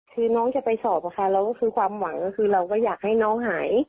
คือน้องจะไปสอบค่ะเราก็คือความหวังก็คือเราก็อยากให้น้องหาย